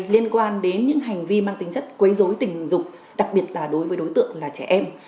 liên quan đến những hành vi mang tính chất quấy dối tình dục đặc biệt là đối với đối tượng là trẻ em